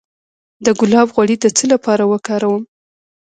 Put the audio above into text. د ګلاب غوړي د څه لپاره وکاروم؟